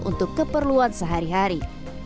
untuk keperluan sehari hari